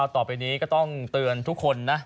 ต่อไปนี้ก็ต้องเตือนทุกคนนะ